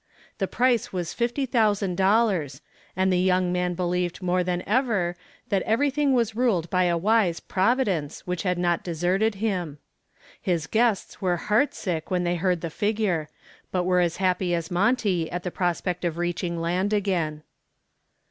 The price was fifty thousand dollars, and the young man believed more than ever that everything was ruled by a wise Providence, which had not deserted him. His guests were heartsick when they heard the figure, but were as happy as Monty at the prospect of reaching land again.